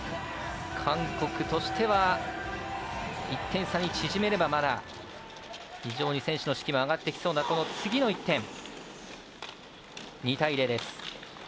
韓国としては、１点差に縮めればまだ非常に選手の士気も上がってきそうなこの次の１点。